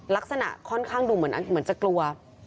ลักษณะค่อนข้างดูเหมือนจะกลัว